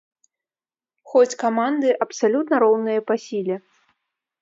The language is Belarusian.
Хоць каманды абсалютна роўныя па сіле.